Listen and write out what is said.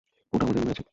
ওটা আমাদের রুমে আছে।